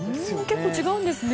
結構違うんですね。